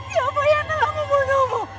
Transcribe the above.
siapa yang membunuhmu